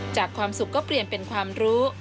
ความสุขก็เปลี่ยนเป็นความรู้